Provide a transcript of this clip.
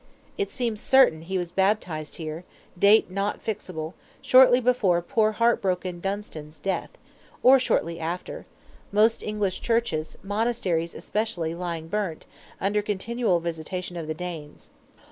It seems certain he was baptized here; date not fixable; shortly before poor heart broken Dunstan's death, or shortly after; most English churches, monasteries especially, lying burnt, under continual visitation of the Danes.